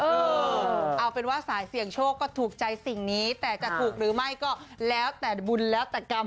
เออเอาเป็นว่าสายเสี่ยงโชคก็ถูกใจสิ่งนี้แต่จะถูกหรือไม่ก็แล้วแต่บุญแล้วแต่กรรม